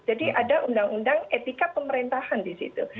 jadi ada undang undang etika pemerintahan di situ